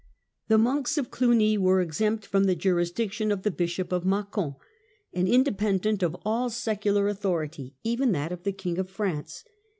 The monks of Cluny were exempt from the jurisdiction of the bishop of Macon, and independent of all secular authority, even that of the King of France.